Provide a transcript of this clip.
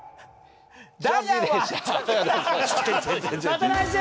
また来週！